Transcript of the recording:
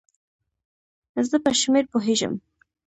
زه په شمېر پوهیږم